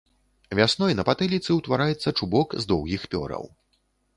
Вясной на патыліцы ўтвараецца чубок з доўгіх пёраў.